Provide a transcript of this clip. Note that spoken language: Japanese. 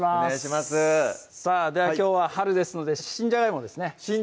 さぁではきょうは春ですので新じゃがいもですね